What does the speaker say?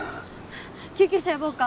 救急車呼ぼうか？